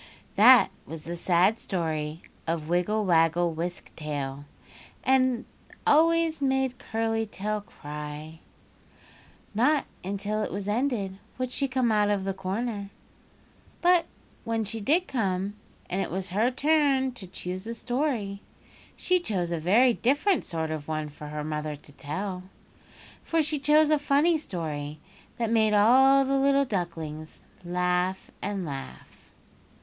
That was the sad story of Wiggle Waggle Wisk Tail that always made Curly Tail cry. Not until it was ended would she come out of the corner, but when she did come and it was her turn to choose a story she chose a very different sort of one for her mother to tell—for she chose a funny story that made all the little ducklings laugh and laugh.